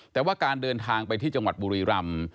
แต่ว่าการเดินทางไปที่จังหวัดบุรีรำ